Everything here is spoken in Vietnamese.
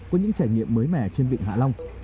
có những trải nghiệm mới mẻ trên vịnh hạ long